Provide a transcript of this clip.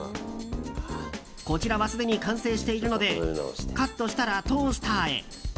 こちらはすでに完成しているのでカットしたらトースターへ。